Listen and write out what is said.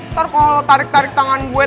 ntar kalo lo tarik tarik tangan gua